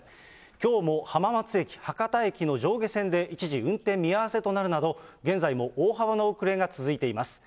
きょうも浜松駅、博多駅の上下線で一時運転見合わせとなるなど、現在も大幅な遅れが続いています。